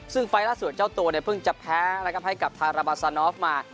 ซึ่งไฟร่าสัวเจ้าตัวเนี่ยก็เพิ่งจะแพ้และกลับให้กับทาราบาซาโนฟมา